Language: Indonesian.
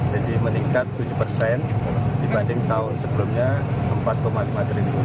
jadi meningkat tujuh dibanding tahun sebelumnya rp empat lima triliun